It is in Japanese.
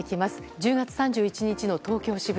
１０月３１日の東京・渋谷。